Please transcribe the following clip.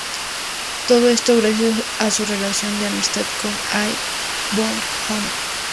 Todo esto gracias a su relación de amistad con A. von Humboldt.